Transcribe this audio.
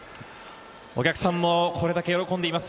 お客さんもこれだけ喜んでいます。